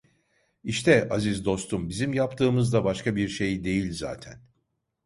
İşte, aziz dostum, bizim yaptığımız da başka bir şey değil zaten…